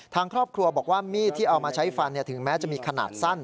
ทางครอบครัวบอกว่ามีดที่เอามาใช้ฟันถึงแม้จะมีขนาดสั้น